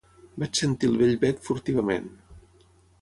Vaig sentir el vell bec furtivament.